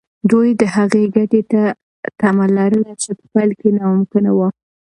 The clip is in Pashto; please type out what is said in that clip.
دوی د هغې ګټې تمه لرله چې په پیل کې ناممکنه وه.